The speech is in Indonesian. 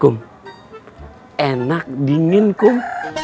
kum enak dingin kum